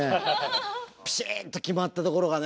ピシッと決まったところがね。